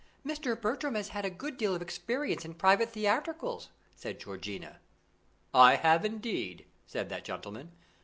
"Mr. Bertram has had a good deal of experience in private theatricals," said Georgiana. "I have, indeed," said that gentlemen.